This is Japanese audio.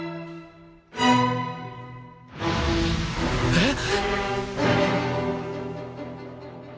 えっ！？